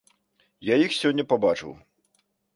Я іх сёння пабачыў.